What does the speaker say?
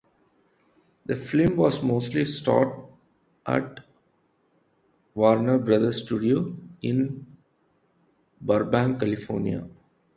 The film was mostly shot at Warner Brothers Studios in Burbank, California.